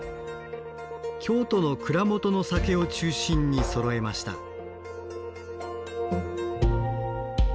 京都の蔵元の酒を中心にそろえました。